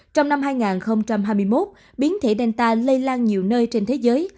trong năm hai nghìn hai mươi một biến thể danta lây lan nhiều nơi trên thế giới